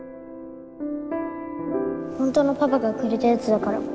本当のパパがくれたやつだから。